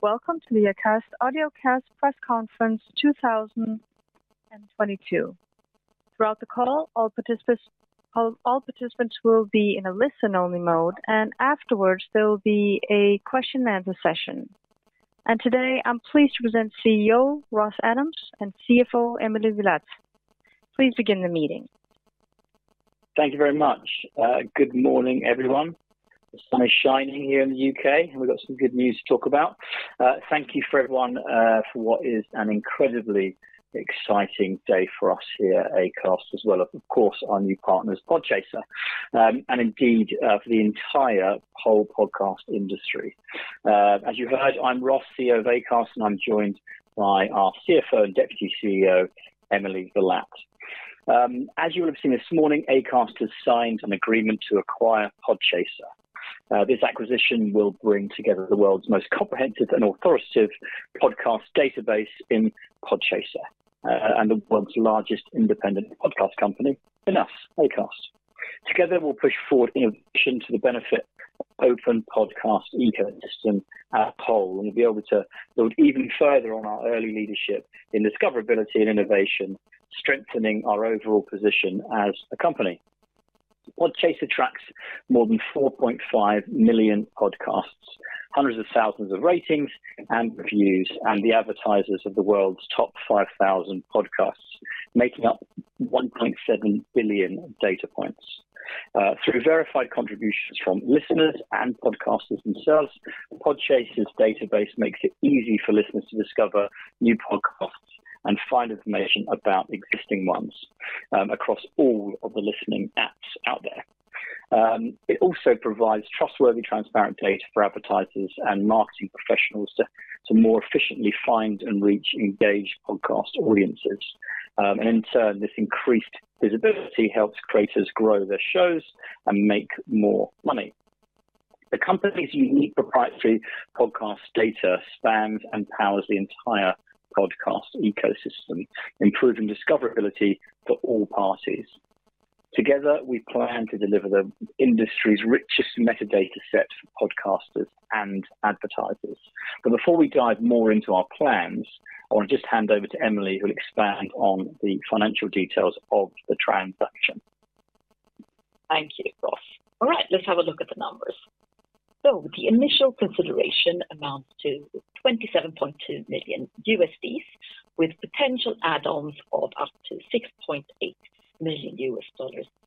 Welcome to the Acast press conference 2022. Throughout the call, all participants will be in a listen-only mode, and afterwards there will be a question and answer session. Today I'm pleased to present CEO Ross Adams and CFO Emily Villatte. Please begin the meeting. Thank you very much. Good morning, everyone. The sun is shining here in the U.K., and we've got some good news to talk about. Thank you for everyone for what is an incredibly exciting day for us here at Acast as well, of course, our new partners, Podchaser, and indeed, for the entire whole podcast industry. As you heard, I'm Ross, CEO of Acast, and I'm joined by our CFO and Deputy CEO, Emily Villatte. As you would have seen this morning, Acast has signed an agreement to acquire Podchaser. This acquisition will bring together the world's most comprehensive and authoritative podcast database in Podchaser and the world's largest independent podcast company in us, Acast. Together, we'll push forward innovation to the benefit of open podcast ecosystem as a whole, and be able to build even further on our early leadership in discoverability and innovation, strengthening our overall position as a company. Podchaser attracts more than 4.5 million podcasts, hundreds of thousands of ratings and reviews, and the advertisers of the world's top 5,000 podcasts, making up 1.7 billion data points. Through verified contributions from listeners and podcasters themselves, Podchaser's database makes it easy for listeners to discover new podcasts and find information about existing ones, across all of the listening apps out there. It also provides trustworthy, transparent data for advertisers and marketing professionals to more efficiently find and reach engaged podcast audiences. In turn, this increased visibility helps creators grow their shows and make more money. The company's unique proprietary podcast data spans and powers the entire podcast ecosystem, improving discoverability for all parties. Together, we plan to deliver the industry's richest metadata set for podcasters and advertisers. Before we dive more into our plans, I want to just hand over to Emily, who'll expand on the financial details of the transaction. Thank you, Ross. All right. Let's have a look at the numbers. The initial consideration amounts to $27.2 million with potential add-ons of up to $6.8 million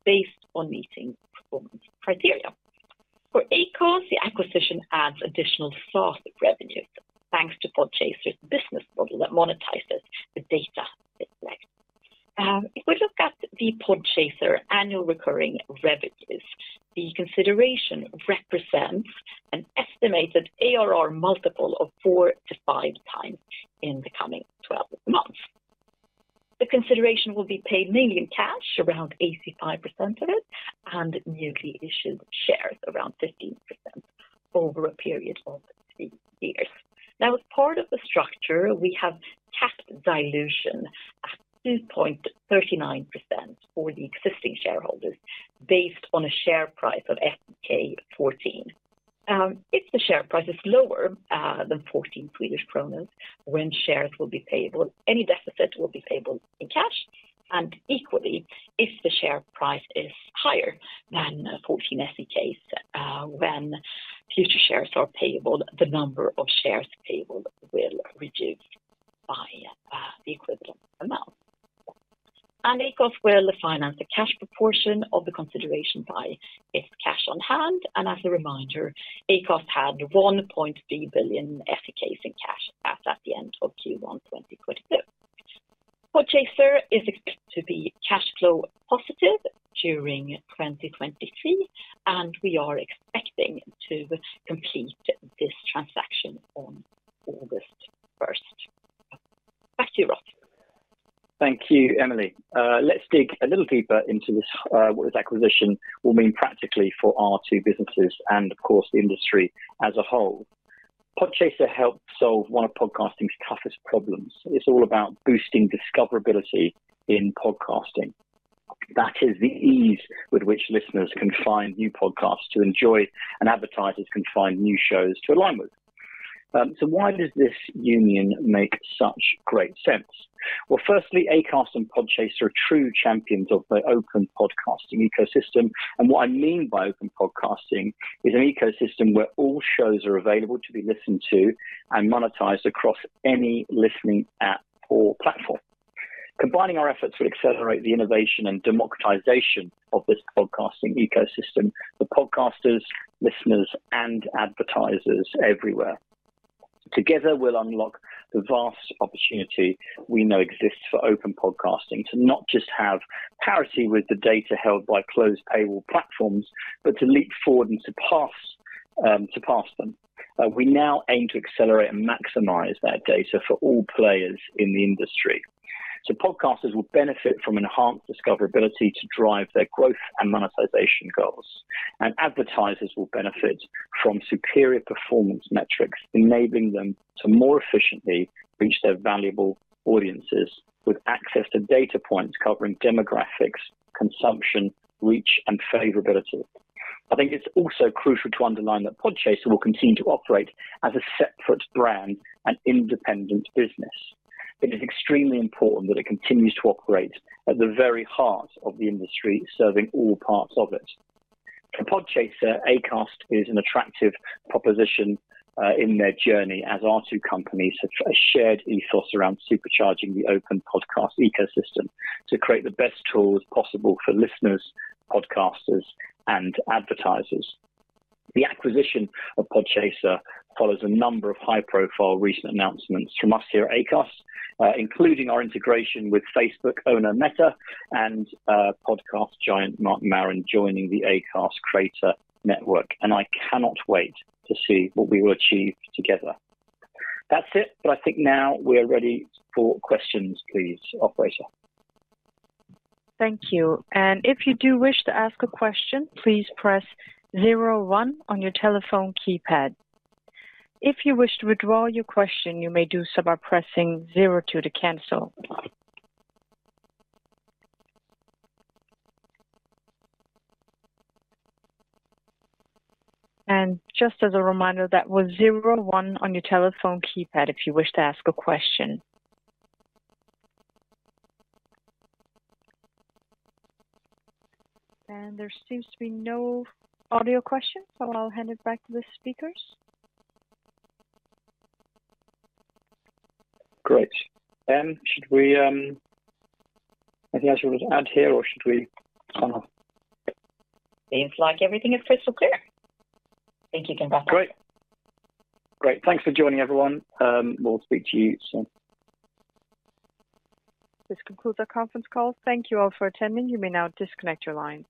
based on meeting performance criteria. For Acast, the acquisition adds additional SaaS revenue, thanks to Podchaser's business model that monetizes the data it collects. If we look at the Podchaser annual recurring revenues, the consideration represents an estimated ARR multiple of 4x-5x in the coming 12 months. The consideration will be paid mainly in cash, around 85% of it, and newly issued shares around 15% over a period of three years. Now, as part of the structure, we have capped dilution at 2.39% for the existing shareholders based on a share price of 14. If the share price is lower than 14 Swedish kronor, then shares will be payable, any deficit will be payable in cash and equally if the share price is higher than 14 SEK, then future shares are payable, the number of shares payable will reduce by the equivalent amount. Acast will finance the cash proportion of the consideration by its cash on hand. As a reminder, Acast had 1.3 billion in cash as at the end of Q1 2022. Podchaser is expected to be cash flow positive during 2023, and we are expecting to complete this transaction on August 1. Back to you, Ross. Thank you, Emily. Let's dig a little deeper into this, what this acquisition will mean practically for our two businesses and of course, the industry as a whole. Podchaser helps solve one of podcasting's toughest problems. It's all about boosting discoverability in podcasting. That is the ease with which listeners can find new podcasts to enjoy and advertisers can find new shows to align with. So why does this union make such great sense? Well, firstly, Acast and Podchaser are true champions of the open podcasting ecosystem. What I mean by open podcasting is an ecosystem where all shows are available to be listened to and monetized across any listening app or platform. Combining our efforts will accelerate the innovation and democratization of this podcasting ecosystem for podcasters, listeners, and advertisers everywhere. Together, we'll unlock the vast opportunity we know exists for open podcasting to not just have parity with the data held by closed paywall platforms, but to leap forward and to pass them. We now aim to accelerate and maximize that data for all players in the industry. Podcasters will benefit from enhanced discoverability to drive their growth and monetization goals. Advertisers will benefit from superior performance metrics, enabling them to more efficiently reach their valuable audiences with access to data points covering demographics, consumption, reach, and favorability. I think it's also crucial to underline that Podchaser will continue to operate as a separate brand and independent business. It is extremely important that it continues to operate at the very heart of the industry, serving all parts of it. For Podchaser, Acast is an attractive proposition, in their journey as our two companies have a shared ethos around supercharging the open podcast ecosystem to create the best tools possible for listeners, podcasters, and advertisers. The acquisition of Podchaser follows a number of high-profile recent announcements from us here at Acast, including our integration with Facebook owner Meta and podcast giant Marc Maron joining the Acast Creator Network. I cannot wait to see what we will achieve together. That's it. I think now we are ready for questions, please, operator. Thank you. If you do wish to ask a question, please press zero one on your telephone keypad. If you wish to withdraw your question, you may do so by pressing zero two to cancel. Just as a reminder, that was zero one on your telephone keypad if you wish to ask a question. There seems to be no audio questions, so I'll hand it back to the speakers. Great. Emily, anything else you want to add here or should we sign off? Seems like everything is crystal clear. Thank you, everybody. Great. Thanks for joining everyone. We'll speak to you soon. This concludes our conference call. Thank you all for attending. You may now disconnect your lines.